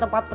ya udah be